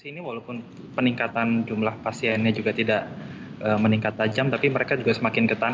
ini walaupun peningkatan jumlah pasiennya juga tidak meningkat tajam tapi mereka juga semakin ketan